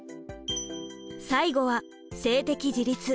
最後は性的自立。